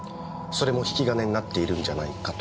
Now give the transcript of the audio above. それも引き金になっているんじゃないかと。